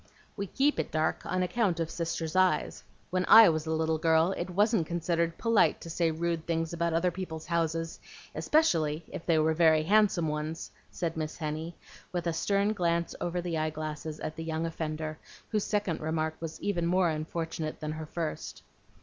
"We keep it dark on account of Sister's eyes. When I was a little girl, it wasn't considered polite to say rude things about other people's houses, especially if they were very handsome ones," said Miss Henny, with a stern glance over the eye glasses at the young offender, whose second remark was even more unfortunate than her first.